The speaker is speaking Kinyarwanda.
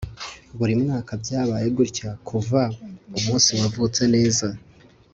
buri mwaka byabaye gutya kuva umunsi wavutse neza